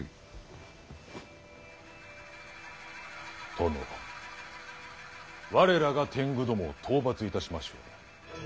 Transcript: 殿我らが天狗どもを討伐いたしましょう。